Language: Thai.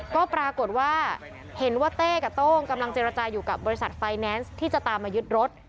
ก็ปรากฏว่าเห็นว่าเต้กับโต้งกำลังเจรจาอยู่กับบริษัทไฟแนนซ์ที่จะตามมายึดรถ